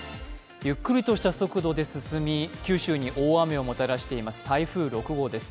ゆっくりとした速度で進み、九州に大雨をもたらしている台風６号です